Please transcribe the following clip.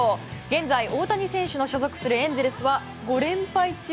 現在、大谷選手の所属するエンゼルスは５連敗中。